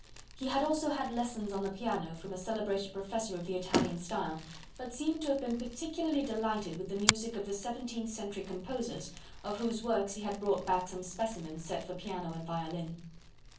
He had also had lessons on the piano from a celebrated professor of the Italian style, but seemed to have been particularly delighted with the music of the seventeenth century composers, of whose works he had brought back some specimens set for piano and violin.